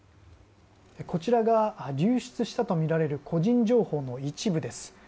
こちらが流出したとみられる個人情報の一部です。